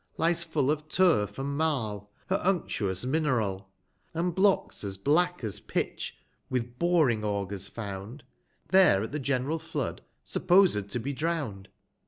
Lies full (»f turf, and marl, her unctuous minerall, And blocks as black as pitch (witli boring augers found), There at the general Flood supposed to be drown'd.